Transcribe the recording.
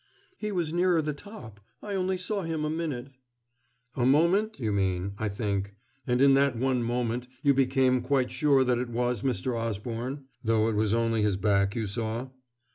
"He was nearer the top. I only saw him a minute." "A moment, you mean, I think. And in that one moment you became quite sure that it was Mr. Osborne? Though it was only his back you saw?"